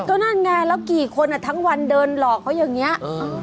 ก็นั่นไงแล้วกี่คนทั้งวันเดินหลอกเขาอย่างนี้